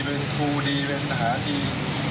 เป็นครูดีเป็นทหารดี